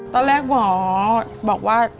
ตอนแรกหมอบอกว่า